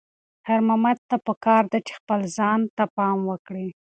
خیر محمد ته پکار ده چې خپل ځان ته پام وکړي.